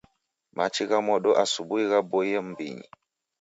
Machi gha modo asubui ghaboie mumbinyi